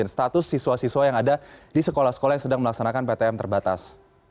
status siswa siswa yang ada di sekolah sekolah yang sedang melaksanakan ptm terbatas